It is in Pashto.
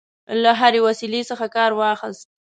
له هري وسیلې څخه کارواخیست.